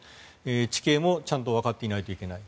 地形もちゃんとわかっていないといけない。